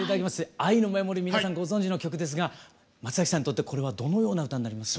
「愛のメモリー」皆さんご存じの曲ですが松崎さんにとってこれはどのような歌になりますか？